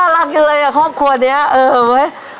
น่ารักอยู่เลยกับครอบครัวเนี่ยเออเว้ย